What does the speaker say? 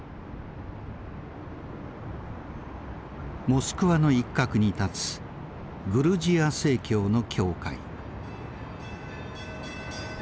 モスクワの一角に建つグルジア正教の教会。